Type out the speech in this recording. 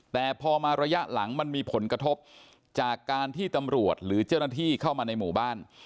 แต่พอมาระยะหลังมันมีผลกระทบจากการที่ตำรวจหรือเจ้าหน้าที่เข้ามาในหมู่บ้าน